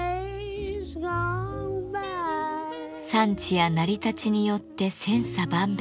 産地や成り立ちによって千差万別。